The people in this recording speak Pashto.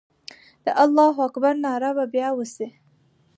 د الله اکبر ناره به بیا وسي.